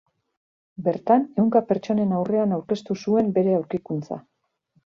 Bertan ehunka pertsonen aurrean aurkeztu zuen bere aurkikuntza.